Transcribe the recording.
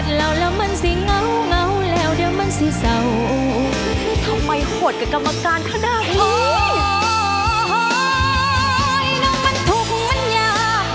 ช่วยฝังดินหรือกว่า